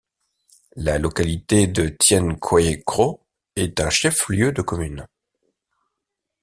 La localité de Tienkoikro est un chef-lieu de commune.